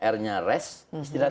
r nya res istilahnya itu ya